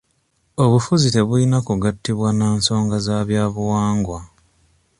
Obufuzi tebulina kugatibwa na nsonga za bya buwangwa.